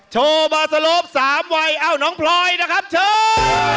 โชว์บาสโลป๓วัยเอ้าน้องพลอยนะครับเชิญ